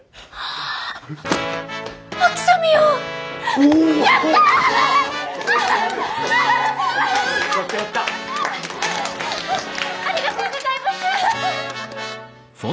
ありがとうございます！